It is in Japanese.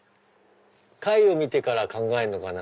貝を見てから考えるのかな？